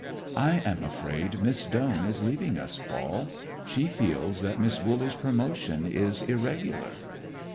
"I am afraid Miss Doane is leaving us, Paul. She feels that Miss Wooley's promotion is irregular."